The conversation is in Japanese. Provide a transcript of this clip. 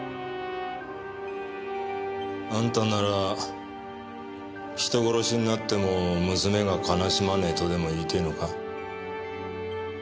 あんたなら人殺しになっても娘が悲しまねえとでも言いてえのか？